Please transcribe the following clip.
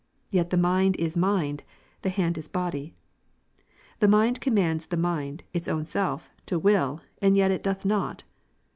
Yet the mind is mind, the hand is body. The mind comnumds the mind, its own self, to w'ill, and yet it doth not.